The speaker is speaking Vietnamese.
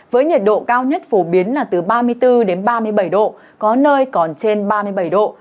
với nhiệt độ cao nhất phổ biến là từ ba mươi bốn đến ba mươi bảy độ có nơi còn trên ba mươi bảy độ